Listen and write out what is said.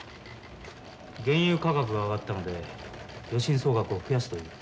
原油価格が上がったので与信総額を増やすという。